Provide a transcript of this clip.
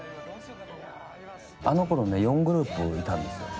あのころね、４グループいたんですよ。